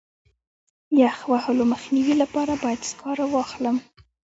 د یخ وهلو مخنیوي لپاره باید سکاره واخلم.